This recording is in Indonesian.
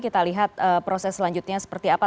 kita lihat proses selanjutnya seperti apa